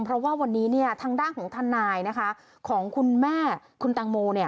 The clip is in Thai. เพราะว่าวันนี้ทางด้านของทนายนะคะของคุณแม่คุณตังโม